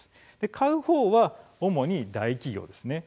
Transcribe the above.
買う側は、主に大企業です。